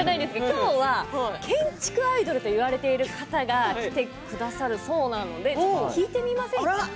今日は建築アイドルといわれている方が来てくださるそうなので聞いてみませんか？